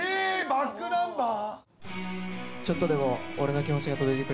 ｂａｃｋｎｕｍｂｅｒ？